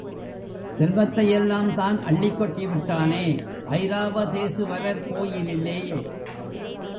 செல்வத்தையெல்லாம் தான் அள்ளிக் கொட்டி விட்டானே, ஐராவதேசுவரர் கோயிலிலேயே.